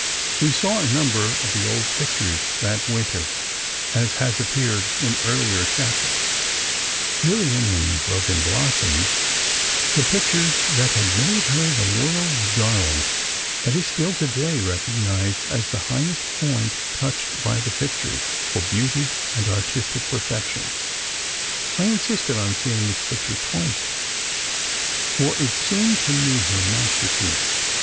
We saw a number of the old pictures, that winter, as has appeared in earlier chapters: Lillian, in "Broken Blossoms," the picture that had made her the "world's darling" and is still today recognized as the highest point touched by the pictures, for beauty and artistic perfection. I insisted on seeing this picture twice, for it seemed to me her masterpiece.